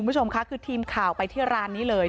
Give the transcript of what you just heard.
คุณผู้ชมค่ะคือทีมข่าวไปที่ร้านนี้เลย